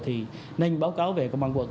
thì nên báo cáo về công an quận